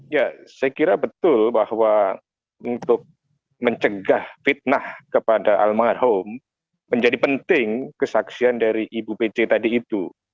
ya saya kira betul bahwa untuk mencegah fitnah kepada almarhum menjadi penting kesaksian dari ibu pece tadi itu